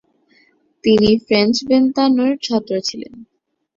তিনি ফ্রেন্জ বেনতানোর ছাত্র ছিলেন।